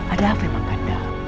ada apa bang kandar